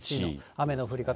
雨の降り方。